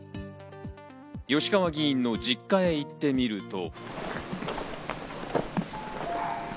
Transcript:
吉川議員の実家へ行ってみると。